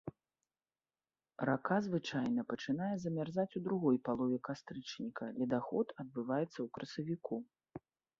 Рака звычайна пачынае замярзаць у другой палове кастрычніка, ледаход адбываецца ў красавіку.